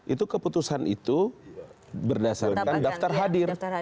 itu keputusan itu berdasarkan daftar hadir